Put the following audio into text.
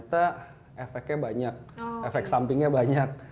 tapi ternyata efeknya banyak efek sampingnya banyak